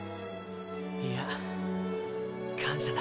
いや感謝だ。